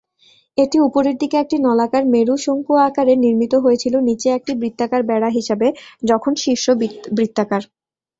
এটি উপরের দিকে একটি নলাকার মেরু শঙ্কু আকারে নির্মিত হয়েছিল, নীচে একটি বৃত্তাকার বেড়া হিসাবে, যখন শীর্ষ বৃত্তাকার।